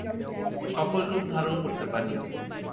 সকল রূপ ধারণ করতে পারি।